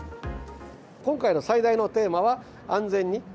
今回の最大のテーマは、安全に。